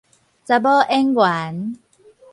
查某演員